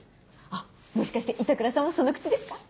あっもしかして板倉さんもそのクチですか？